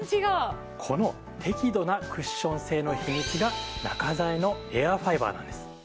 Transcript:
この適度なクッション性の秘密が中材のエアファイバーなんです。